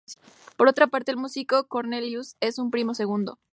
Por otra parte, el músico Cornelius es su primo segundo.